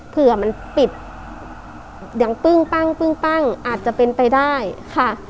เผื่อมันปิดยังปึ้งปั้งอาจจะเป็นไปได้ค่ะ